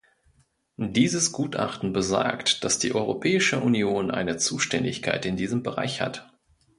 Dieses Gutachten besagt, dass die Europäische Union eine Zuständigkeit in diesem Bereich hat.